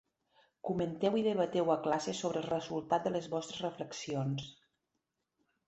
Comenteu i debateu a classe sobre el resultat de les vostres reflexions.